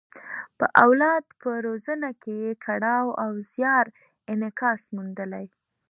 په اولاد په روزنه کې یې کړاو او زیار انعکاس موندلی.